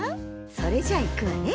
それじゃいくわね。